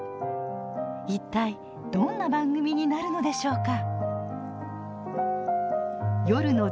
いったい、どんな番組になるのでしょうか。